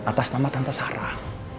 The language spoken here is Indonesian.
atas nama tante sarah